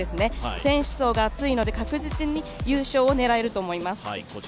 選手層が厚いので確実に優勝を狙えると思います。